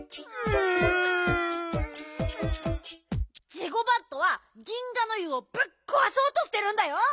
ジゴバットは銀河ノ湯をぶっこわそうとしてるんだよ。